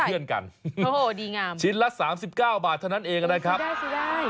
เท่าไหร่โอ้โหดีงามชิ้นละ๓๙บาทเท่านั้นเองนะครับโอ้ยสวยได้